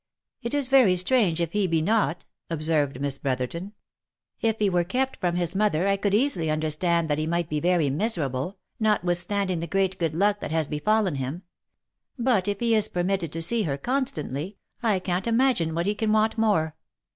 " It is very strange if he be not," observed Miss Brotherton. " If he were kept from his mother I could easily understand that he might be very miserable, notwithstanding the great good luck that has be fallen him ; but if he is permitted to see her constantly, I can't imagine what he can want more."